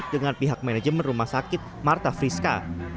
dengan pihak manajemen rumah sakit marta friska